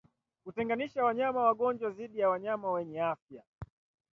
Kutenganisha wanyama wagonjwa dhidi ya wanyama wenye afya